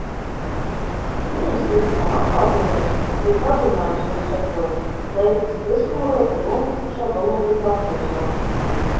Ūdenskritumam atkāpjoties, arī padziļinājums tam sekoja, lejteci pieskalojot ar nobrukušā dolomīta atlūzām.